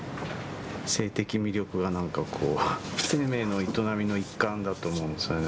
性的魅力が何かこう生命の営みの一環だと思うんですよね。